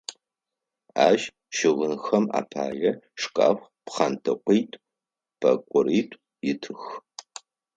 Ащ щыгъынхэм апае шкаф, пкъэнтӏэкӏуитӏу, пӏэкӏоритӏу итых.